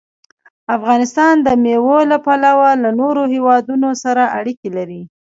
افغانستان د مېوې له پلوه له نورو هېوادونو سره اړیکې لري.